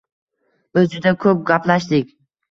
Biz juda ko'p gaplashdik